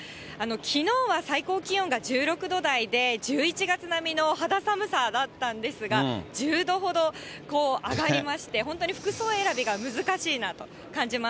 きのうは最高気温が１６度台で、１１月並みの肌寒さだったんですが、１０度ほど上がりまして、本当に服装選びが難しいなと感じます。